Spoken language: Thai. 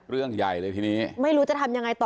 เรื่องใหญ่เลยทีนี้ไม่รู้จะทำยังไงต่อ